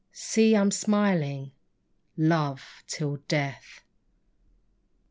See, I am smiling ! Love till death !